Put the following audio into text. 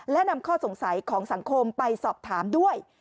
และนำข้อสงสัยของสังคมไปสอบถามด้วย